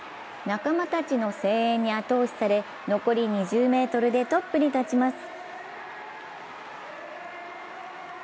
仲間たちの声援に後押しされ残り２０ｍでトップに立ちます。